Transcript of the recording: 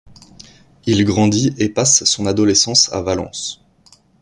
Il grandit et passe son adolescence à Valence.